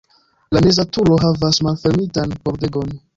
La meza turo havas malfermitan pordegon.